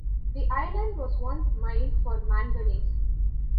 The island was once mined for manganese.